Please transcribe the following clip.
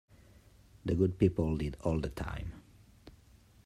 The good people did all the time.